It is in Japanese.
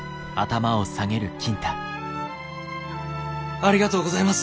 ありがとうございます。